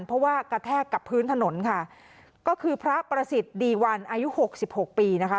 เพราะว่ากระแทกกับพื้นถนนค่ะก็คือพระประสิทธิ์ดีวันอายุหกสิบหกปีนะคะ